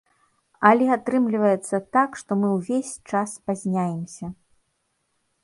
Але атрымлівацца так, што мы ўвесь час спазняемся.